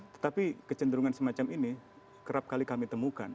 tetapi kecenderungan semacam ini kerap kali kami temukan